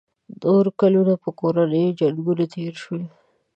نور کلونه په کورنیو جنګونو تېر شول.